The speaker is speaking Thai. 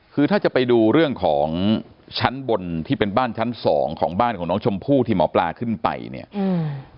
คือถ้าจะไปดูเรื่องของชั้นบนที่เป็นบ้านชั้นสองของบ้านของน้องชมพู่ที่หมอปลาขึ้นไปเนี่ยอืม